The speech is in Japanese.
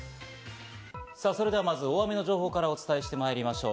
それではまず大雨の情報からお伝えしてまいりましょう。